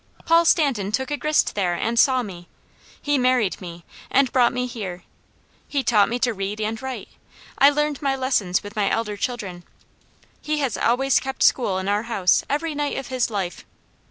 Paul Stanton took a grist there, and saw me. He married me, and brought me here. He taught me to read and write. I learned my lessons with my elder children. He has always kept school in our house, every night of his life.